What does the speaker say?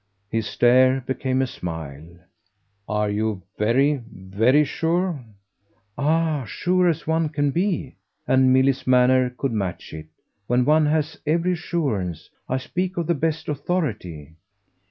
His stare became a smile. "Are you very, very sure?" "As sure as one can be" and Milly's manner could match it "when one has every assurance. I speak on the best authority."